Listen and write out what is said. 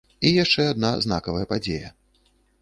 І яшчэ адна знакавая падзея.